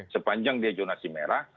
sepanjang dia jonasi merah